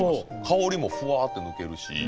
香りもふわって抜けるし。